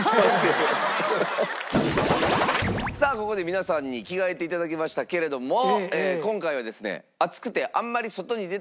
さあここで皆さんに着替えていただきましたけれども今回はですね